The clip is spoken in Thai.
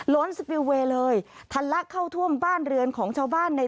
โล้นสิบวีล์วีเลยธันลักษณ์เข้าท่วมบ้านเรือนของชาวบ้านใน